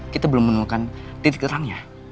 kita belum menemukan titik terangnya